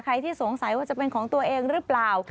ที่สงสัยว่าจะเป็นของตัวเองหรือเปล่า